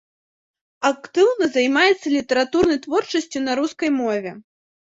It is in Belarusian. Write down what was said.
Актыўна займаецца літаратурнай творчасцю на рускай мове.